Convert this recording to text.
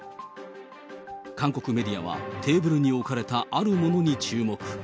韓国メディアはテーブルに置かれたあるものに注目。